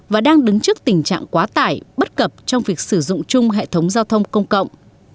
và đang đứng trước tình trạng quá tải bất cập trong việc sử dụng chung hệ thống giao thông công cộng